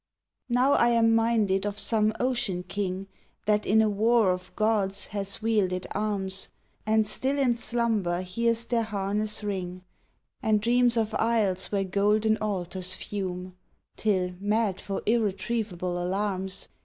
Now am I minded of some ocean king That in a war of gods has wielded arms, And still in slumber hears their harness ring And dreams of isles where golden altars fume, Till, mad for irretrievable alarms.